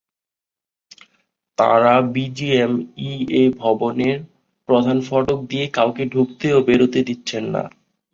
তাঁরা বিজিএমইএ ভবনের প্রধান ফটক দিয়ে কাউকে ঢুকতে ও বেরোতে দিচ্ছেন না।